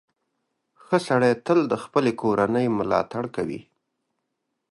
• ښه سړی تل د خپلې کورنۍ ملاتړ کوي.